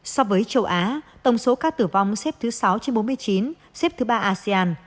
so với châu á tổng số ca tử vong xếp thứ sáu trên bốn mươi chín xếp thứ ba asean